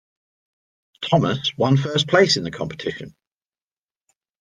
Thomas one first place in the competition.